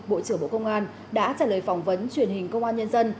bộ trưởng bộ công an đã trả lời phỏng vấn truyền hình công an nhân dân